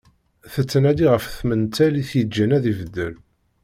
Tettnadi ɣef tmental i t-yeǧǧan ad ibeddel.